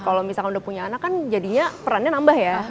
kalau misalkan udah punya anak kan jadinya perannya nambah ya